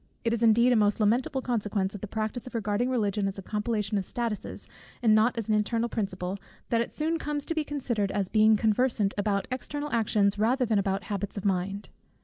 It is indeed a most lamentable consequence of the practice of regarding Religion as a compilation of statutes, and not as an internal principle, that it soon comes to be considered as being conversant about external actions rather than about habits of mind.